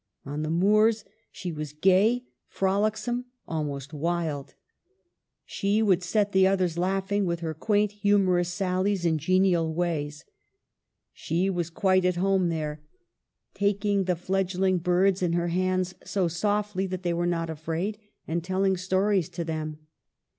On the moors she was gay, frolicsome, almost wild. She would set the others laughing with her quaint, humorous sallies and genial ways. She was quite at home there, taking the fledgling birds in her hands so softly that they were not afraid, and telling stories to them.